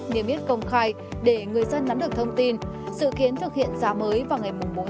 niêm yết công khai để người dân nắm được thông tin sự kiến thực hiện giá mới vào ngày bốn tháng năm